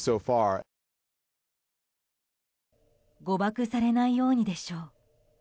誤爆されないようにでしょう。